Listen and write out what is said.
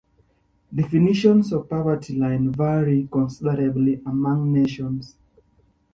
Definitions of the poverty line vary considerably among nations.